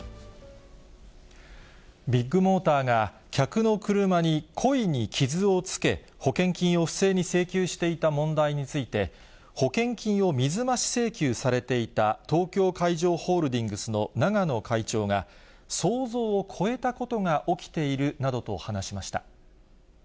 ビッグモーターが、客の車に故意に傷をつけ、保険金を不正に請求していた問題について、保険金を水増し請求されていた、東京海上ホールディングスの永野会長が、想像を超えたことが起きているなどと話しました。